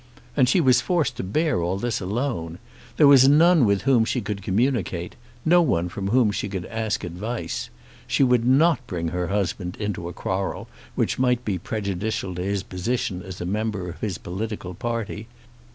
And she was forced to bear all this alone! There was none with whom she could communicate; no one from whom she could ask advice. She would not bring her husband into a quarrel which might be prejudicial to his position as a member of his political party.